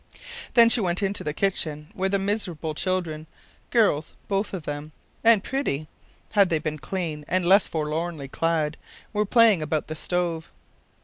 ” Then she went into the kitchen, where the miserable children girls both of them, and pretty had they been clean and less forlornly clad were playing about the stove.